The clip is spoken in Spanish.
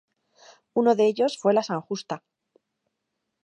Uno de ellos fue la San Justa.